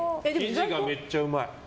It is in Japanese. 生地がめっちゃうまい。